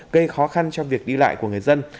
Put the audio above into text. gây khó khăn cho việc đi lại của người dân